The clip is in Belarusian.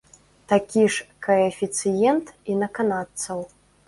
Такі ж каэфіцыент і на канадцаў.